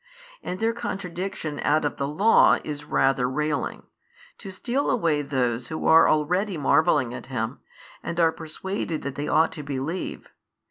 And their contradiction out of the Law is rather railing, to steal away those who are already marvelling at Him and are persuaded that they ought to believe.